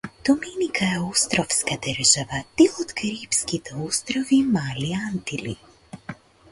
Доминика е островска држава, дел од карипските острови Мали Антили.